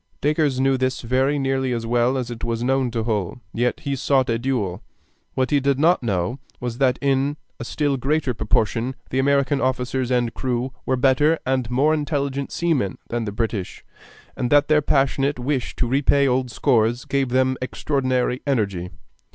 Dacres knew this very nearly as well as it was known to Hull, yet he sought a duel. What he did not know was that in a still greater proportion the American officers and crew were better and more intelligent seamen than the British, and that their passionate wish to repay old scores gave them extraordinary energy.